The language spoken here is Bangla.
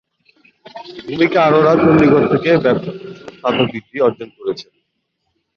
ভূমিকা অরোরা চণ্ডীগড় থেকে ব্যবসা প্রশাসনে স্নাতক ডিগ্রি অর্জন করেছেন।